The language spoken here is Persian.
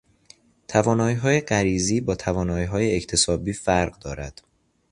تواناییهای غریزی با تواناییهای اکتسابی فرق دارد.